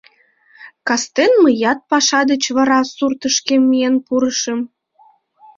Кастен мыят паша деч вара суртышкем миен пурышым.